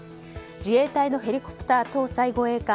自衛隊のヘリコプター搭載護衛艦